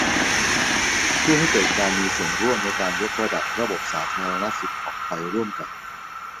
เพื่อให้เกิดการมีส่วนร่วมในการยกระดับระบบสาธารณสุของไทยร่วมกัน